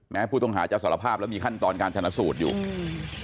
ผู้ต้องหาจะสารภาพแล้วมีขั้นตอนการชนะสูตรอยู่อืม